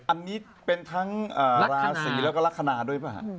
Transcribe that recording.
อันนี้เป็นทั้งราศรีและลักษณะด้วยไหมครับ